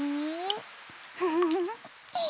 フフフ。